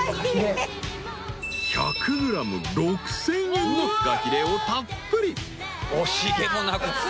［１００ｇ６，０００円のフカヒレをたっぷり］